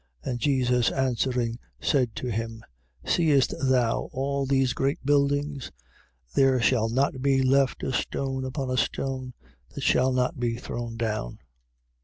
13:2. And Jesus answering, said to him: Seest thou all these great buildings? There shall not be left a stone upon a stone, that shall not be thrown down.